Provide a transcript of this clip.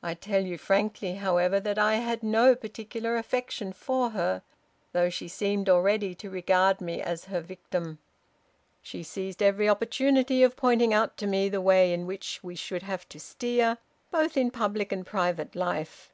I tell you frankly, however, that I had no particular affection for her, though she seemed already to regard me as her victim. She seized every opportunity of pointing out to me the way in which we should have to steer, both in public and private life.